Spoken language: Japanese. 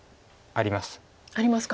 ありますか。